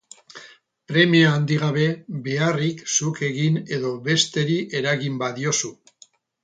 Premia handi gabe beharrik zuk egin edo besteri eragin badiozu.